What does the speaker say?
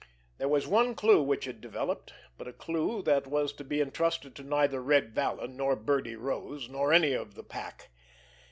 There was one clue which had developed, but a clue that was to be entrusted to neither Red Vallon, nor Birdie Rose, nor any of the pack.